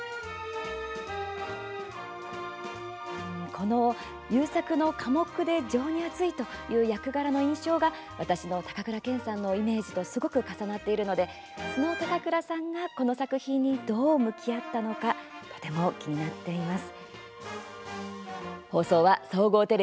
この勇作の寡黙で情に厚いという役柄の印象が私の高倉健さんのイメージとすごく重なっているのでその高倉さんが、この作品にどう向き合ったのかとても気になっています。